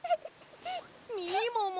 みもも。